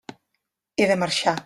He de marxar.